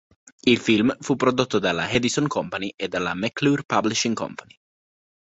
Il film fu prodotto dalla Edison Company e dalla McClure Publishing Co.